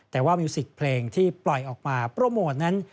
แต่ว่ามิวสิกเพลงที่ปล่อยออกมาโปรโมทนั้น